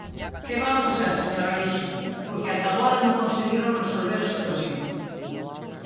¿Que van facer, señor Alixo, porque ata agora non conseguiron resolver a situación?